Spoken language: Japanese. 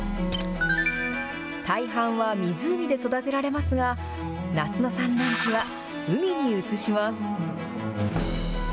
大半は湖で育てられますが、夏の産卵期は、海に移します。